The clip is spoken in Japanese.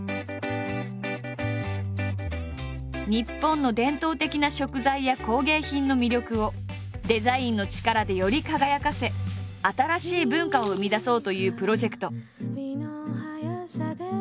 日本の伝統的な食材や工芸品の魅力をデザインの力でより輝かせ新しい文化を生み出そうというプロジェクト。